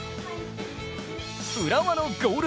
浦和のゴール